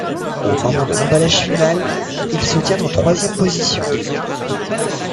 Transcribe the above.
Au moment de l'emballage final, il se tient en troisième position.